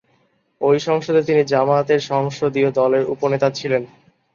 ওই সংসদে তিনি জামায়াতের সংসদীয় দলের উপ-নেতা ছিলেন।